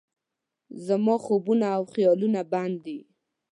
زما خوبونه او خیالونه بند دي